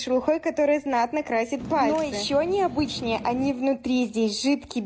บอกเขาหน่อยดิบอกไปภาษารัสสีนี่เลยดี